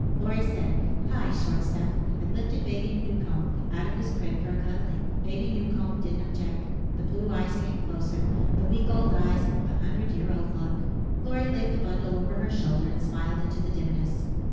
Lorry said. "Hi, short stuff," and lifted Baby Newcomb Male, out of his crib for a cuddling. Baby Newcomb didn't object. The blue eyes came closer. The week old eyes with the hundred year old look. Lorry laid the bundle over her shoulder and smiled into the dimness.